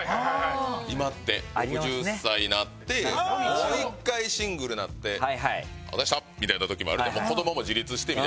今って６０歳なってもう一回シングルなって「あざした！」みたいな時もある子供も自立してみたいな。